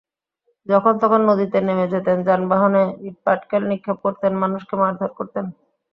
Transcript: যখন-তখন নদীতে নেমে যেতেন, যানবাহনে ইটপাটকেল নিক্ষেপ করতেন, মানুষকে মারধর করতেন।